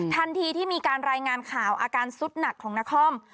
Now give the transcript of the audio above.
ทันทีที่มีการรายงานข่าวอาการสุดหนักของนคร